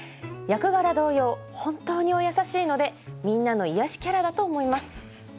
役柄同様、本当にお優しいのでみんなの癒やしキャラだと思います。